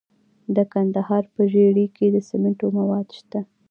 د کندهار په ژیړۍ کې د سمنټو مواد شته.